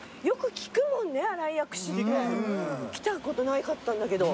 来たことなかったんだけど。